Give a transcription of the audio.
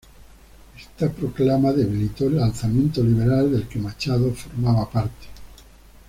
Esta proclama debilitó el alzamiento liberal del que Machado formaba parte.